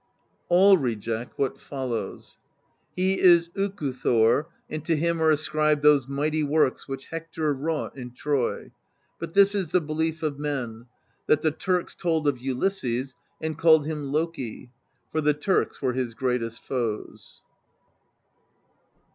All reject what follows : He is Oku Thor, and to him are ascribed those mighty works which Hector wrought in Troy. But this is the belief of men: that the Turks told of Ulysses, and called him Loki, for the Turks were his greatest foes.